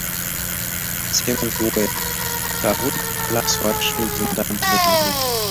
سیمونز وویل: که هغوی ته په لاس ورشې، زندان ته به دي ولیږي.